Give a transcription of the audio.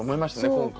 今回。